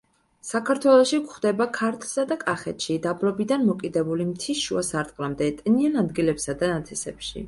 საქართველოში გვხვდება ქართლსა და კახეთში, დაბლობიდან მოკიდებული მთის შუა სარტყლამდე, ტენიან ადგილებსა და ნათესებში.